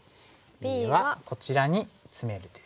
Ｂはこちらにツメる手ですね。